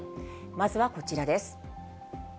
まずはこちらです。